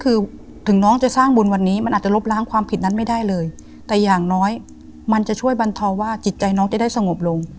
คือถึงน้องจะสร้างบุญวันนี้มันอาจจะลบล้างความผิดนั้นไม่ได้เลยแต่อย่างน้อยมันจะช่วยบรรเทาว่าจิตใจน้องจะได้สงบลง